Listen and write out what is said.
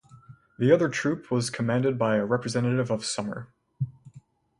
The other troop was commanded by a representative of Summer.